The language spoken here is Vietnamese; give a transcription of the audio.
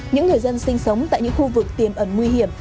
những người dân sinh sống tại những khu vực tiềm ẩn nguy hiểm